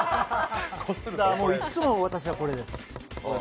いっつも、私はこれです。